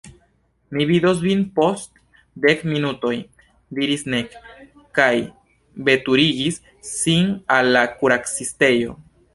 Mi vidos vin post dek minutoj diris Ned, kaj veturigis sin al la kuracistejo.